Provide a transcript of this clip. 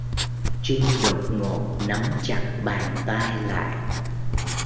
Trinh đột ngột nắm chặt bàn tay lại